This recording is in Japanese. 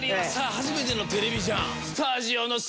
初めてのテレビじゃん。